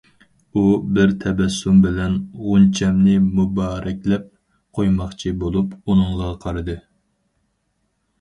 ئۇ، بىر تەبەسسۇم بىلەن غۇنچەمنى مۇبارەكلەپ قويماقچى بولۇپ، ئۇنىڭغا قارىدى.